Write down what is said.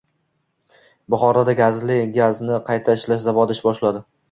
Buxoroda Gazli gazni qayta ishlash zavodi ish boshladi